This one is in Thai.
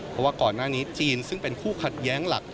เพราะว่าก่อนหน้านี้จีนซึ่งเป็นคู่ขัดแย้งหลัก